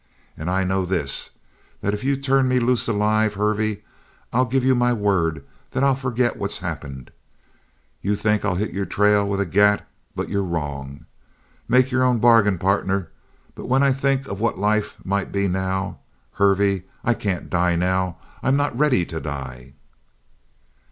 And I know this, that if you turn me loose alive, Hervey, I'll give you my word that I'll forget what's happened. You think I'll hit your trail with a gat. But you're wrong. Make your own bargain, partner. But when I think of what life might be now Hervey, I can't die now! I'm not ready to die!"